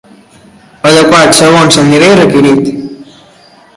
Adequat segons el nivell requerit.